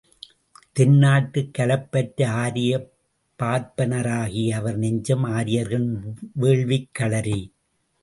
தென்னாட்டுக் கலப்பற்ற ஆரியப் பார்ப்பனராகிய அவர் நெஞ்சம் ஆரியர்களின் வேள்விக் களரி.